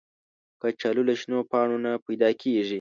کچالو له شنو پاڼو نه پیدا کېږي